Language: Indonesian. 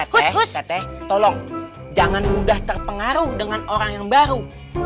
tolong jangan mudah terpengaruh dengan orang yang baru